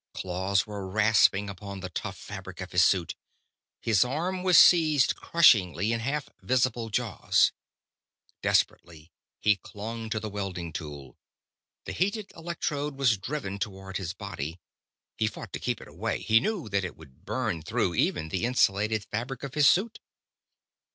Claws were rasping upon the tough fabric of his suit. His arm was seized crushingly in half visible jaws. Desperately he clung to the welding tool. The heated electrode was driven toward his body. He fought to keep it away; he knew that it would burn through even the insulated fabric of his suit.